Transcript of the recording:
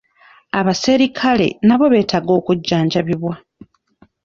Abaserikale nabo beetaaga okujjanjabibwa